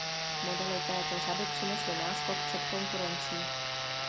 Modely této řady přinesly náskok před konkurencí.